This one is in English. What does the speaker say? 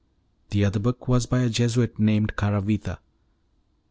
The other book was by a Jesuit named Caravita.